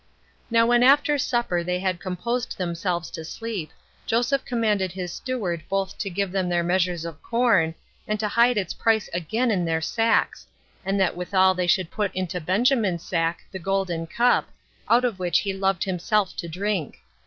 7. Now when after supper they had composed themselves to sleep, Joseph commanded his steward both to give them their measures of corn, and to hide its price again in their sacks; and that withal they should put into Benjamin's sack the golden cup, out of which he loved himself to drink.